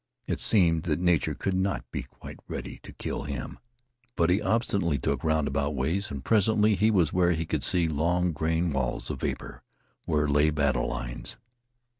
It seemed that Nature could not be quite ready to kill him. But he obstinately took roundabout ways, and presently he was where he could see long gray walls of vapor where lay battle lines.